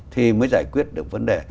thì mới giải quyết được vấn đề